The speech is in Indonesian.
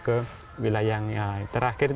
ke wilayah yang terakhir